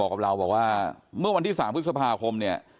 บอกกับเราว่าเมื่อวันที่๓พฤษภาคม